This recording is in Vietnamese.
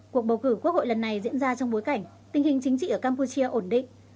cuộc bầu cử quốc hội lần này diễn ra trong bối cảnh tình hình chính trị ở campuchia ổn định